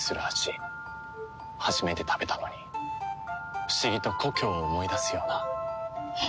初めて食べたのに不思議と故郷を思い出すような。